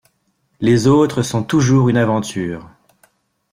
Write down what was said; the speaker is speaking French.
Les autres sont toujours une aventure.